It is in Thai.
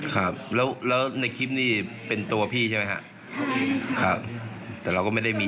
เอาออกไปไห้อย่างนี้เพื่อที่เจ็บคืนนอนอย่างนี้